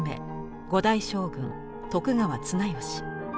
五代将軍徳川綱吉。